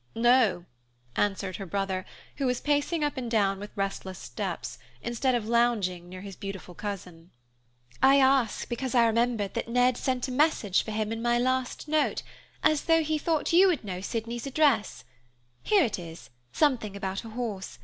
"No," answered her brother, who was pacing up and down with restless steps, instead of lounging near his beautiful cousin. "I ask because I remembered that Ned sent a message for him in my last note, as he thought you would know Sydney's address. Here it is, something about a horse.